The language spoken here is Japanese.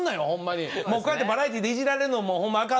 もうこうやってバラエティーでいじられるのもうホンマあかんで。